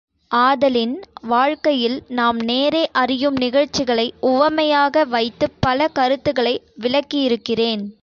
ஆதலின், வாழ்க்கையில் நாம் நேரே அறியும் நிகழ்ச்சிகளை உவமையாக வைத்துப் பல கருத்துக்களை விளக்கியிருக்கிறேன்.